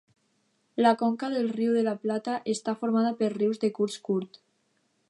La conca del Riu de la Plata està formada per rius de curs curt.